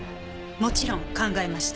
もちろん考えました。